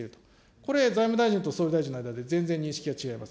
これ、財務大臣と総理大臣の間で、全然認識が違います。